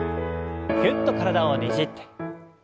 ぎゅっと体をねじって。